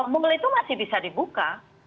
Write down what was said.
mul itu masih bisa dibuka